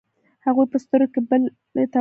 هغې په سترګو کې بلې ته وخندلې.